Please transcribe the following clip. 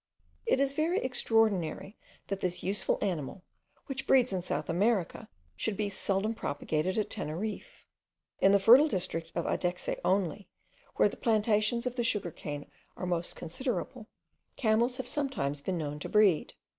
It is very extraordinary, that this useful animal, which breeds in South America, should be seldom propagated at Teneriffe. In the fertile district of Adexe only, where the plantations of the sugar cane are most considerable, camels have sometimes been known to breed.